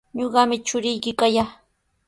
Ñuqami churiyki kallaa.